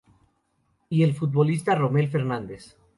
Y el futbolista Rommel Fernandez